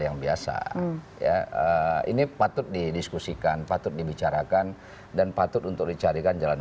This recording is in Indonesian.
yang biasa ya ini patut didiskusikan patut dibicarakan dan patut untuk dicarikan jalan